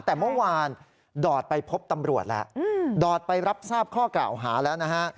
แต่เมื่อวานดอดไปพบตำรวจแล้วดอดไปรับทราบข้อกล่าวหาแล้วนะฮะ